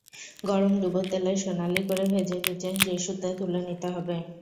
গরম ডুবো তেলে সোনালি করে ভেজে কিচেন টিস্যুতে তুলে নিতে হবে।